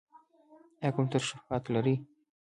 ایا کوم ترشحات لرئ؟